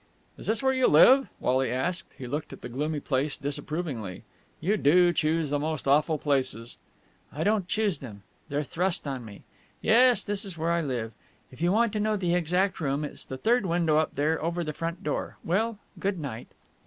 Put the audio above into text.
"Is this where you live?" Wally asked. He looked at the gloomy place disapprovingly. "You do choose the most awful places!" "I don't choose them. They're thrust on me. Yes, this is where I live. If you want to know the exact room, it's the third window up there over the front door. Well, good night."